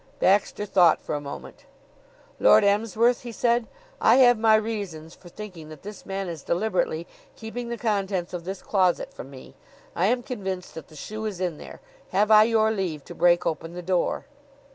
Baxter thought for a moment. "Lord Emsworth," he said, "I have my reasons for thinking that this man is deliberately keeping the contents of this closet from me. I am convinced that the shoe is in there. Have I your leave to break open the door?"